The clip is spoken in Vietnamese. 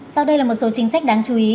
sau đây là một số chính sách đáng chú ý